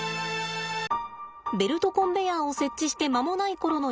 ベルトコンベヤーを設置して間もない頃の様子です。